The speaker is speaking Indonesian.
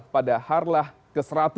pada harlah ke seratus